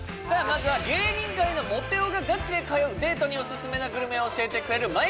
まずは芸人界のモテ男がガチで通うデートにオススメなグルメを教えてくれるＭＹＢＥＳＴ